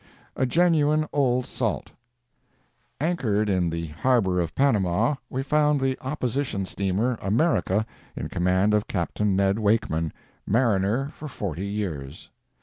A GENUINE OLD SALT Anchored in the harbor of Panama we found the Opposition Steamer, America, in command of Capt. Ned Wakeman, "mariner for forty years."